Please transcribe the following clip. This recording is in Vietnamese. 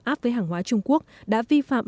áp với hàng hóa trung quốc đã vi phạm